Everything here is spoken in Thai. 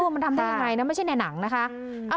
มันทำได้ยังไงนะไม่ใช่ในหนังนะคะ